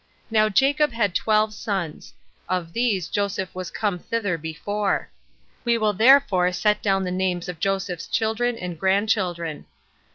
Now Jacob had twelve sons; of these Joseph was come thither before. We will therefore set down the names of Jacob's children and grandchildren.